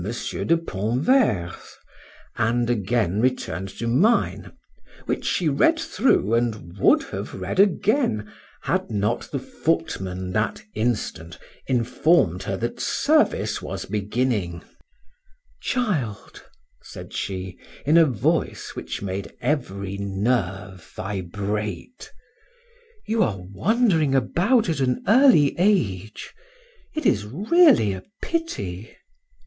de Pontverre's and again returned to mine, which she read through and would have read again, had not the footman that instant informed her that service was beginning "Child," said she, in a tone of voice which made every nerve vibrate, "you are wandering about at an early age it is really a pity!"